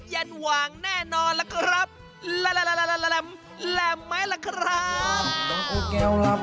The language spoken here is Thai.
แสนว่างแน่นอนล่ะครับ